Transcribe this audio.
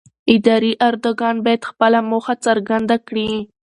اداري ارګان باید خپله موخه څرګنده کړي.